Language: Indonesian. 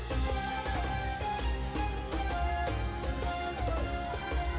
pertama kali saya menemui masjid yang menarik di masjid ini adalah masjid agung sunda kelapa